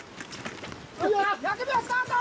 １００秒スタート！